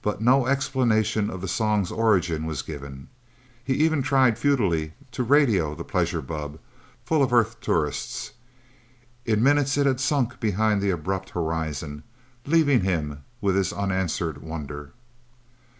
But no explanation of the song's origin was given... He even tried futilely to radio the pleasure bubb, full of Earth tourists. In minutes it had sunk behind the abrupt horizon, leaving him with his unanswered wonder.